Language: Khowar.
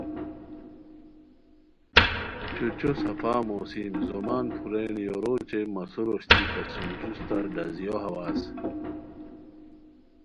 چھو چو صفا موسم زومان پھورین یورو اوچے مسو روشتی ہے سُم جوستہ ڈازیو ہواز